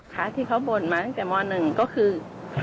ค่ะที่เขาบ่นมาตั้งแต่ม๑ก็คือ